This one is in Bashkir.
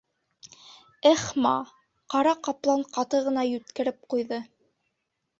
— Эх-ма, — Ҡара ҡаплан ҡаты ғына йүткереп ҡуйҙы.